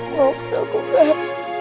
maafkan aku pak